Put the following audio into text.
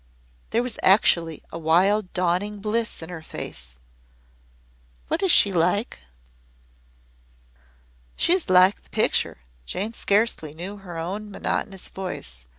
There was actually a wild dawning bliss in her face. "What is she like?" "She is like the picture." Jane scarcely knew her own monotonous voice.